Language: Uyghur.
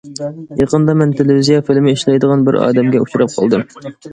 يېقىندا مەن تېلېۋىزىيە فىلىمى ئىشلەيدىغان بىر ئادەمگە ئۇچراپ قالدىم.